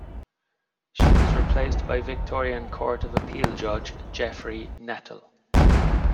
She was replaced by Victorian Court of Appeal judge Geoffrey Nettle.